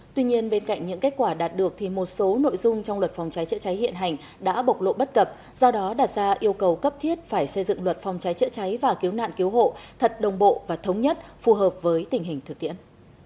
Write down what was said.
tuy nhiên bên cạnh những kết quả đạt được thì một số nội dung trong luật phòng cháy chữa cháy hiện hành đã bộc lộ bất cập do đó đặt ra yêu cầu cấp thiết phải xây dựng luật phòng cháy chữa cháy và cứu nạn cứu hộ thật đồng bộ và thống nhất phù hợp với tình hình thực tiễn